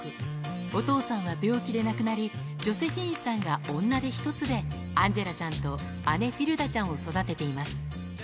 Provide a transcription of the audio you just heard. お父さんは病気で亡くなり、ジョセフィーンさんが女手一つでアンジェラちゃんと姉、フィルダちゃんを育てています。